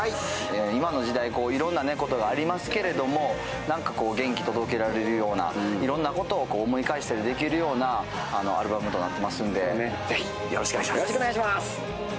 今の時代、いろんなことがありますけれども、何か元気届けられるようないろんなことを思い返したりできるようなアルバムとなっていますのでぜひよろしくお願いします。